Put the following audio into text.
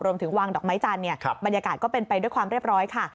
รวมถึงวางดอกไม้จันทร์บรรยากาศก็เป็นไปด้วยความเรียบร้อยค่ะ